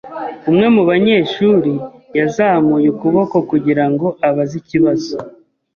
Umwe mu banyeshuri yazamuye ukuboko kugira ngo abaze ikibazo.